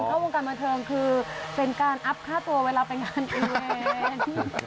เข้าวงการบันเทิงคือเป็นการอัพค่าตัวเวลาไปงานอีแลนด์